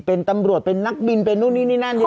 เป็นตำรวจเป็นนักบินเป็นนู่นนี่นี่นั่น